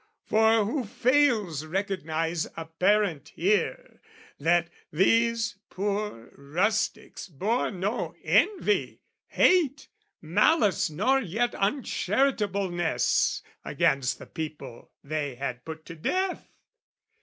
For who fails recognise apparent here, That these poor rustics bore no envy, hate, Malice nor yet uncharitableness Against the people they had put to death?